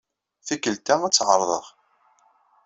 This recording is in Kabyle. Tikkelt-a, ad tt-ɛerḍeɣ.